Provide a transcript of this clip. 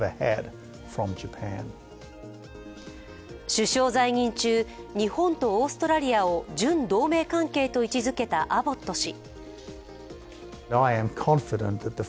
首相在任中、日本とオーストラリアを準同盟関係と位置づけたアボット氏。